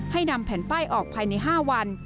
นำแผ่นป้ายออกภายใน๕วัน